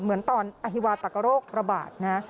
เหมือนตอนอฮิวาตักกโรคระบาดนะ